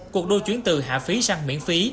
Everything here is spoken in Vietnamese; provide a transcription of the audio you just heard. cuộc đua chuyển từ hạ phí sang miễn phí